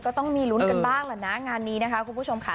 ก็ต้องมีลุ้นกันบ้างแหละนะงานนี้นะคะคุณผู้ชมค่ะ